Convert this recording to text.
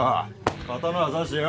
刀ぁ差してよ